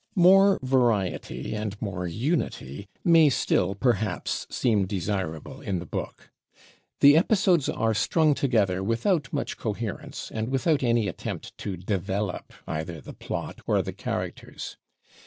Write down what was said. More variety and more unity may still, perhaps, seem desirable in the book. The episodes are strung together without much coherence, and without any attempt to develop either the plot or the characters.